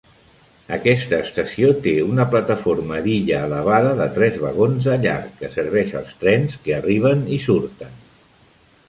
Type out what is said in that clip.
Aquesta estació té una plataforma d'illa elevada de tres vagons de llarg que serveix als trens que arriben i surten.